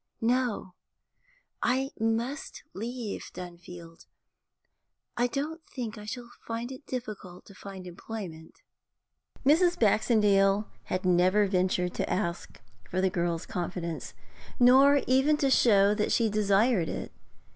'No; I must leave Dunfield. I don't think I shall find it difficult to get employment.' Mrs. Baxendale had never ventured to ask for the girl's confidence, nor even to show that she desired it.